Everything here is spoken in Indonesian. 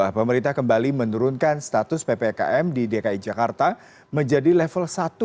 pemerintah kembali menurunkan status ppkm di dki jakarta menjadi level satu